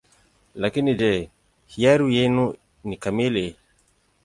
Lakini je, hiari yetu ni kamili?